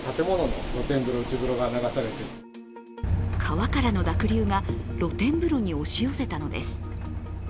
川からの濁流が露天風呂に押し寄せたのです。